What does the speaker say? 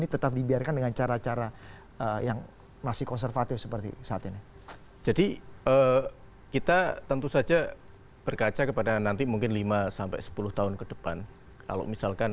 tetap bersama kami